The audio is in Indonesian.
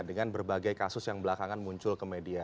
dengan berbagai kasus yang belakangan muncul ke media